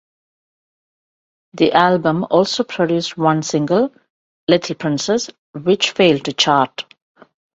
The album also produced one single, Little Princess which failed to chart.